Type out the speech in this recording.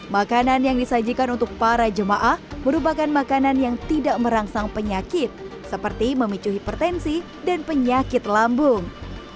makanan yang disajikan untuk para jemaah merupakan makanan yang tidak merangsang penyakit seperti memicu hipertensi dan penyakit lambung